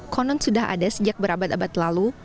konon sudah ada sejak berabad abad lalu